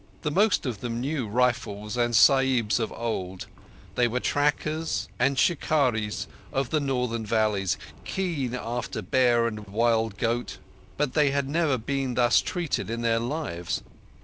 The most of them knew rifles and Sahibs of old: they were trackers and shikarris of the Northern valleys, keen after bear and wild goat; but they had never been thus treated in their lives.